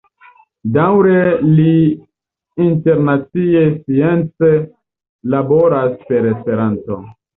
Daŭre li internacie science laboras per Esperanto.